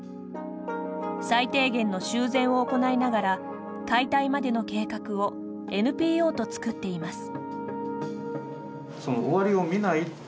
最低限の修繕を行いながら解体までの計画をＮＰＯと作っています。